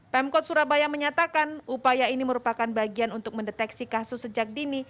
pemkot surabaya menyatakan upaya ini merupakan bagian untuk mendeteksi kasus sejak dini